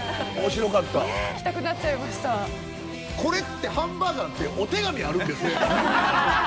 これってハンバーガーってお手紙あるんですね。